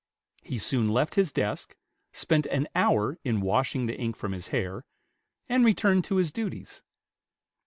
He soon left his desk, spent an hour in washing the ink from his hair, and returned to his duties.